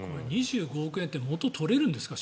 ２５億円って元、取れるんですか？